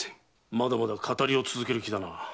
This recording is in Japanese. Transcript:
まだまだ騙りを続ける気だな。